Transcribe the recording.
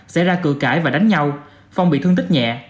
sẽ ra cử cãi và đánh nhau phong bị thương tích nhẹ